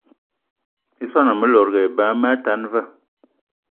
I swan ame lòdgì eba eme atan va